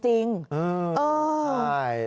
อืมใช่